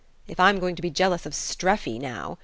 "If I'm going to be jealous of Streffy now